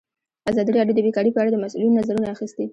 ازادي راډیو د بیکاري په اړه د مسؤلینو نظرونه اخیستي.